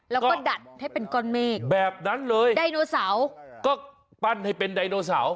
แล้วก็ดัดให้เป็นก้อนเมฆแบบนั้นเลยไดโนเสาร์ก็ปั้นให้เป็นไดโนเสาร์